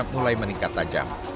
mulai meningkat tajam